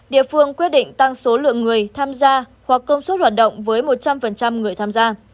địa phương quyết định tăng số lượng người tham gia hoặc công suất hoạt động với một trăm linh người tham gia